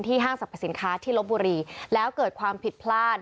ห้างสรรพสินค้าที่ลบบุรีแล้วเกิดความผิดพลาด